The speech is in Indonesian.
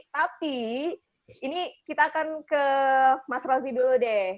tapi ini kita akan ke mas rozi dulu deh